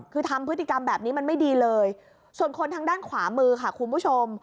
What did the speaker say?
คือทำพฤติกรรมแบบนี้มันไม่ดีเลยส่วนคนทางด้านขวามือค่ะคุณผู้ชม